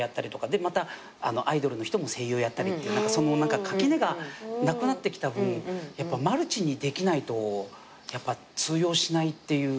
でまたアイドルの人も声優やったりってその垣根がなくなってきた分マルチにできないとやっぱ通用しないっていう。